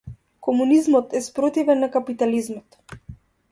Комунизмот е спротивен на капитализмот.